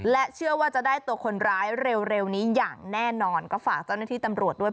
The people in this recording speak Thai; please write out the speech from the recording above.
และเชื่อว่าจะได้ตัวคนร้ายเร็วนี้อย่างแน่นอนก็ฝากเจ้าหน้าที่ตำรวจด้วย